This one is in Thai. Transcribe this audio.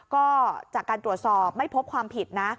ก็จากการตรวจสอบไม่พบความผิดนะ